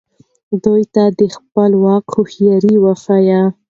دوی ته د خپل ځواک هوښیاري وښایه.